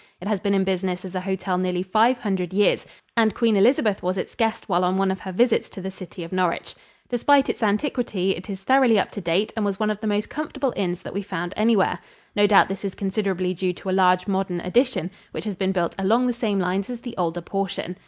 It has been in business as a hotel nearly five hundred years and Queen Elizabeth was its guest while on one of her visits to the city of Norwich. Despite its antiquity, it is thoroughly up to date and was one of the most comfortable inns that we found anywhere. No doubt this is considerably due to a large modern addition, which has been built along the same lines as the older portion.